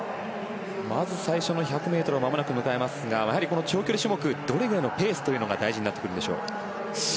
まず最初の１００ｍをまもなく迎えますがやはりこの長距離種目どれぐらいのペースというのが大事になってくるんでしょうか。